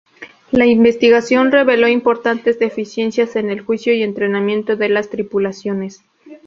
La investigación reveló importantes deficiencias en el juicio y entrenamiento de las tripulaciones.